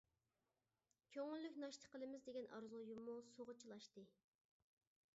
كۆڭۈللۈك ناشتا قىلىمىز دېگەن ئارزۇيۇممۇ سۇغا چىلاشتى.